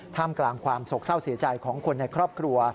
ท่ามกลางความโศกเศร้าเสียใจของคนในครอบครัว